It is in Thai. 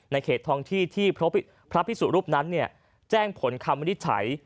เขตทองที่ที่พระพิสุรูปนั้นแจ้งผลคำวินิจฉัย